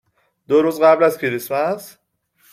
دو روز قبل از کریسمس ؟